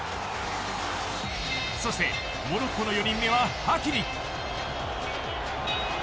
そして、モロッコの４人目はハキミ。